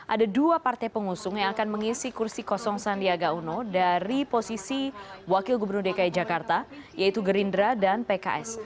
ada dua partai pengusung yang akan mengisi kursi kosong sandiaga uno dari posisi wakil gubernur dki jakarta yaitu gerindra dan pks